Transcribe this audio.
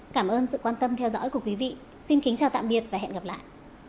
cảm ơn sự quan tâm theo dõi của quý vị xin kính chào tạm biệt và hẹn gặp lại